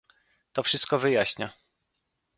To wszystko wyjaśnia